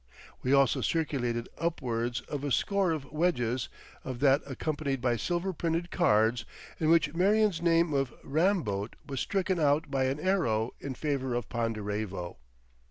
We also circulated upwards of a score of wedges of that accompanied by silver printed cards in which Marion's name of Ramboat was stricken out by an arrow in favour of Ponderevo.